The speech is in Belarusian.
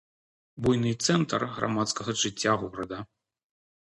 Буйны цэнтр грамадскага жыцця горада.